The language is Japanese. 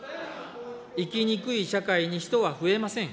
生きにくい社会に人は増えません。